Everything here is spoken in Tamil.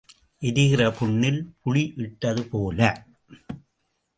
எரிகிற புண்ணில் புளி இட்டது போல.